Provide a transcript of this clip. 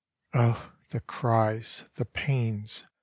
"Oh, the cries! the pains!